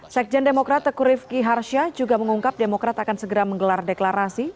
sekjen demokrat tekurif ki harsya juga mengungkap demokrat akan segera menggelar deklarasi